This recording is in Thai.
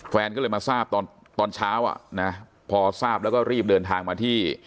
แฟนก็เลยมาทราบตอนเช้าอ่ะนะพอทราบแล้วก็รีบเดินทางมาที่